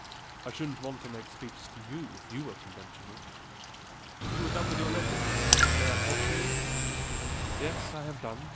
"I shouldn't want to make speeches to you if you were conventional. You are done with your letters? I may talk to you?" "Yes, I have done.